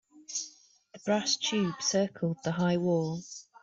The brass tube circled the high wall.